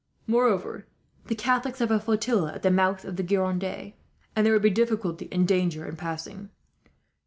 Moreover, the Catholics have a flotilla at the mouth of the Gironde, and there would be difficulty and danger in passing.